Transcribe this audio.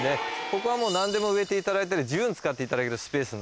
ここは何でも植えていただいたり自由に使っていただけるスペース。